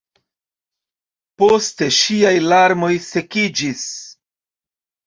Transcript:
Poste ŝiaj larmoj sekiĝis.